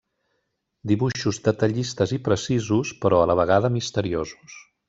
Dibuixos detallistes i precisos però, a la vegada, misteriosos.